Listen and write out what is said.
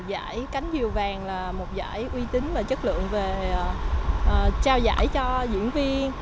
giải cánh diều vàng là một giải uy tín và chất lượng về trao giải cho diễn viên